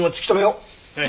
ええ。